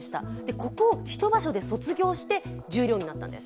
ここを一場所で卒業して十両になったんです。